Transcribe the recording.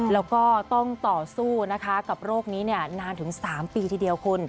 แล้วก็ต้องต่อสู้นะคะกับโรคนี้นานถึง๓ปีทีเดียวคุณ